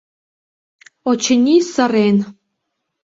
Очыни, сырен.